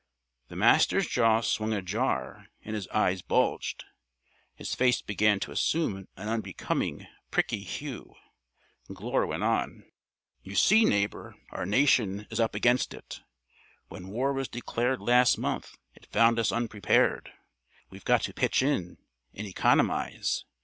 The Master's jaw swung ajar and his eyes bulged. His face began to assume an unbecoming bricky hue. Glure went on: "You see, neighbor, our nation is up against it. When war was declared last month it found us unprepared. We've got to pitch in and economize.